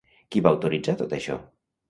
Qui va autoritzar tot això?